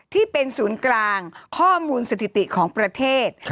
ที่เป็นศูนย์กลางข้อมูลสถิติของประเทศ